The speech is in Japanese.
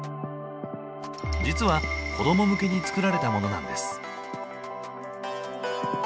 実は子ども向けに作られたものなんです。